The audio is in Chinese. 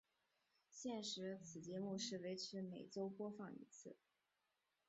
现时此节目是维持每周播放一次。